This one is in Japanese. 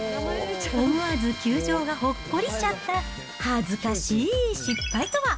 思わず球場がほっこりしちゃった、恥ずかしい失敗とは。